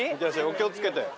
お気を付けて。